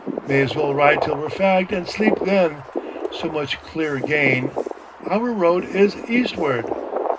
"May as well ride till we're fagged and sleep then. So much clear gain. Our road is eastward."